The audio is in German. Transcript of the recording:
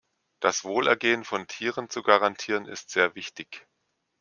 Das Wohlergehen von Tieren zu garantieren, ist sehr wichtig.